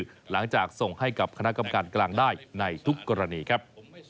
หลังจากส่งให้กับคณะกรรมการกลางได้ในทุกกรณีครับ